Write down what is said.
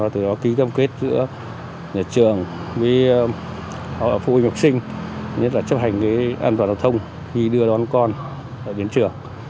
từ đó ký cam kết giữa nhà trường với phụ huynh học sinh nhất là chấp hành an toàn giao thông khi đưa đón con đến trường